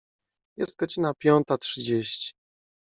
Jest godzina piąta trzydzieści.